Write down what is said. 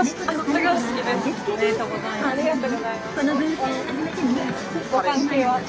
ありがとうございます。